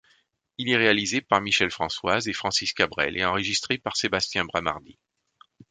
Il est réalisé par Michel Françoise et Francis Cabrel et enregistré par Sébastien Bramardi.